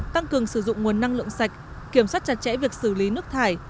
tăng cường sử dụng nguồn năng lượng sạch kiểm soát chặt chẽ việc xử lý nước thải